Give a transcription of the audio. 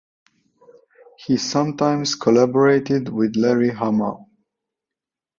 He sometimes collaborated with Larry Hama.